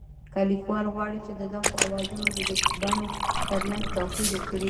که لیکوال غواړي چې د دغو آوازونو د لیکبڼو ترمنځ توپیر وکړي